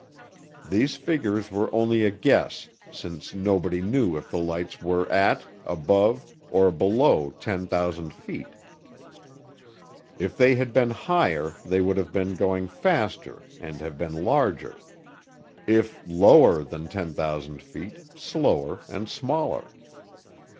These figures were only a guess since nobody knew if the lights were at, above, or below 10,000 feet. If they had been higher they would have been going faster and have been larger. If lower than 10,000 feet, slower and smaller.